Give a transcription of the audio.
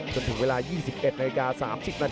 ขอบคุณครับ